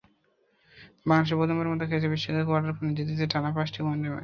বাংলাদেশ প্রথমবারের মতো খেলেছে বিশ্বকাপের কোয়ার্টার ফাইনালে, জিতেছে টানা পাঁচটি ওয়ানডে সিরিজ।